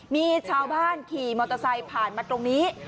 มีชาวบ้านขี่มอเตอร์ไซค์ผ่านมาตรงนี้